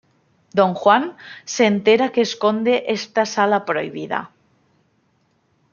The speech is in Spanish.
Don Juan se entera que esconde esta sala prohibida.